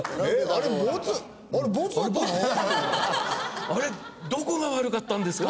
「あれどこが悪かったんですか？」。